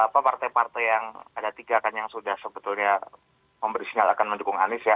partai partai yang ada tiga kan yang sudah sebetulnya memberi sinyal akan mendukung anies ya